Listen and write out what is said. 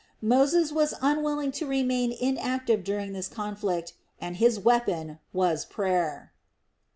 Moses was unwilling to remain inactive during this conflict and his weapon was prayer.